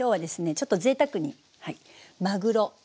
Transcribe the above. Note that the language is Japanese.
ちょっとぜいたくにまぐろサーモン。